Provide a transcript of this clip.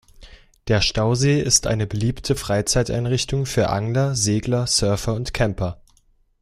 Der Stausee ist eine beliebte Freizeit-Einrichtung für Angler, Segler, Surfer und Camper.